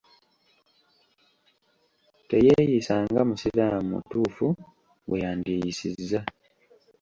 Teyeeyisa nga musiramu mutuufu bwe yandyeyisiza.